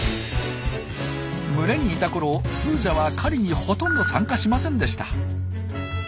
群れにいたころスージャは狩りにほとんど参加しませんでした。